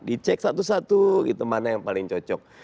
dicek satu satu gitu mana yang paling cocok